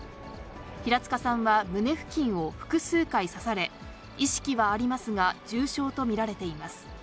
平塚さんは胸付近を複数回刺され、意識はありますが重傷と見られています。